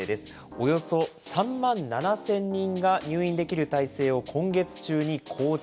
およそ３万７０００人が入院できる体制を今月中に構築。